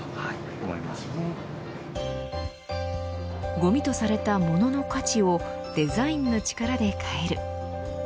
ごみとされたものの価値をデザインの力で変える。